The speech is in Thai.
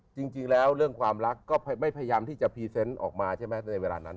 จริงแล้วเรื่องความรักก็ไม่พยายามที่จะพรีเซนต์ออกมาใช่ไหมในเวลานั้น